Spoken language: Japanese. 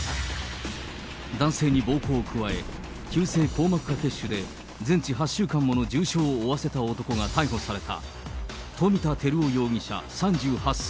男性に暴行を加え、急性硬膜下血腫で全治８週間もの重傷を負わせた男が逮捕された。